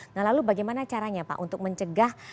nah lalu bagaimana caranya pak untuk mencegah